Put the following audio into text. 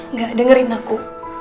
nggak dengerin aku